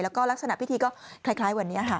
แล้วก็ลักษณะพิธีก็คล้ายวันนี้ค่ะ